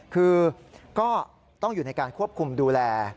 คือก็ต้องอยู่ในการควบคุมดูแล